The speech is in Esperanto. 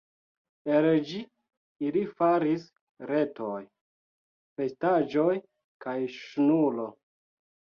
El ĝi ili faris retoj, vestaĵoj, kaj ŝnuro.